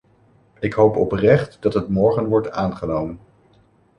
Ik hoop oprecht dat het morgen wordt aangenomen.